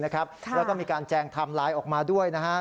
แล้วก็มีการแจงไทม์ไลน์ออกมาด้วย